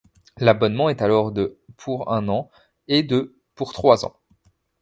L’abonnement est alors de pour un an et de pour trois ans.